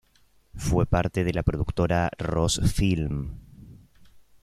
Fue parte de la productora Roos Film.